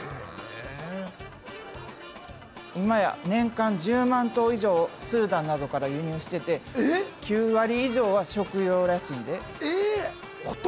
今や年間１０万頭以上をスーダンなどから輸入してて９割以上は食用らしいで。